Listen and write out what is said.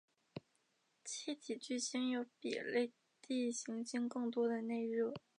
气体巨星有比类地行星更多的内热。